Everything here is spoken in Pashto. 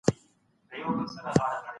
په ټولنه کي باید د بیان ازادي موجوده وي.